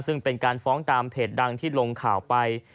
ซึ่งเป็นการฟ้องตามเพจดังที่ลงข่าวไป